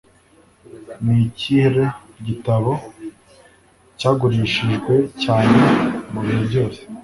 Ni ikihre gitabo cyagurishijwe cyane mu bihe byose?